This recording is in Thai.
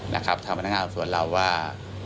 ทางพนักงานอำรวจเราว่า